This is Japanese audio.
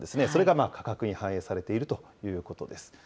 それが価格に反映されているということです。